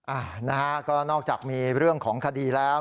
อ่านะฮะก็นอกจากมีเรื่องของคดีแล้ว